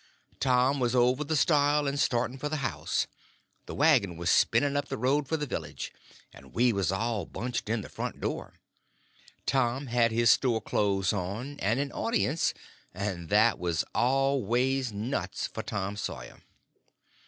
Tom was over the stile and starting for the house; the wagon was spinning up the road for the village, and we was all bunched in the front door. Tom had his store clothes on, and an audience—and that was always nuts for Tom Sawyer.